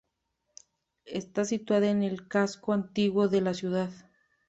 Está situada en el Casco Antiguo de la ciudad.